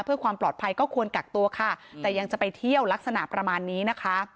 เพื่อความปลอดภัยก็ควรกักตัวค่ะแต่ยังจะไปเที่ยวลักษณะประมาณนี้นะคะ